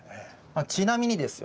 ちなみにですよ